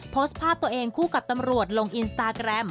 โพสต์ภาพตัวเองคู่กับตำรวจลงอินสตาแกรม